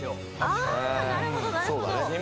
あなるほどなるほど。